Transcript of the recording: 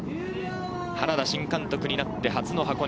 花田新監督になって初の箱根。